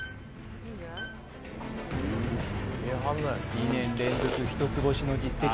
２年連続一つ星の実績